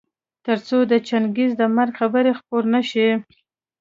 تر څو د چنګېز د مرګ خبر خپور نه شي.